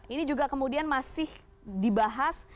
ini juga kemudian masih dibahas